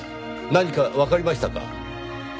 何かわかりましたか？